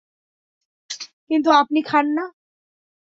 কিন্তু আপনি খান না।